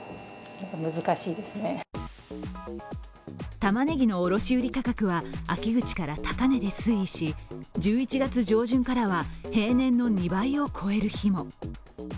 たまねぎの卸売価格は秋口から高値で推移し平年の２倍を超える日も。